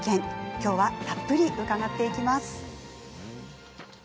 今日は、たっぷり伺っていきます。